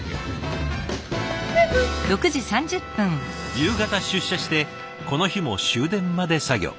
夕方出社してこの日も終電まで作業。